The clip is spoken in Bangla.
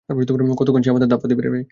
কতক্ষণ সে আমাদের ধাপ্পা দিবে?